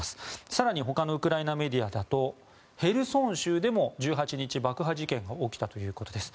更にほかのウクライナメディアだとヘルソン州でも１８日爆破事件が起きたということです。